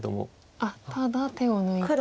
あっただ手を抜いて。